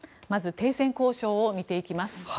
まず停戦交渉を見ていきます。